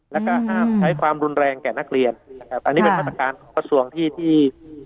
และก็ห้ามใช้ความรุนแรงแก่นักเรียนอันนี้เป็นมาตรการส่วนที่